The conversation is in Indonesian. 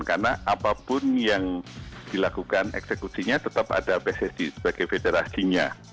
karena apapun yang dilakukan eksekusinya tetap ada pssi sebagai federasinya